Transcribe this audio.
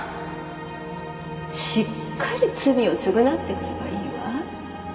しっかり罪を償ってくればいいわ